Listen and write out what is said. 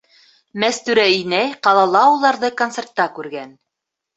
Мәстүрә инәй ҡалала уларҙы концертта күргән.